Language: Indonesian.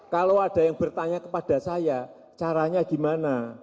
kalau ada yang bertanya kepada saya caranya gimana